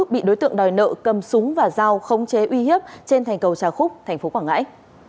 bị đối tượng đòi nợ cầm súng và dao không chế uy hiếp trên thành cầu trà khúc tp quảng ngãi